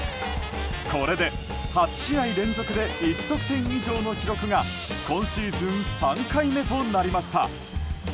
これで８試合連続で１得点以上の記録が今シーズン３回目となりました。